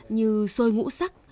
như xôi ngũ sắc